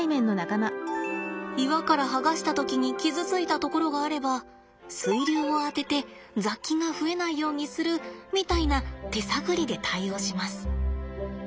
岩から剥がした時に傷ついたところがあれば水流を当てて雑菌が増えないようにするみたいな手探りで対応します。